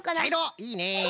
いいね。